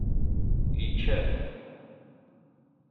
Yečča-t?